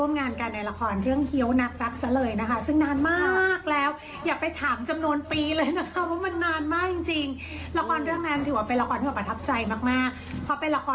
น่าจะเป็นน้องน้ำหวานซาซ่ามาก